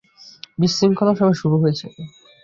বিশৃঙ্খলা সবে শুরু হয়েছে।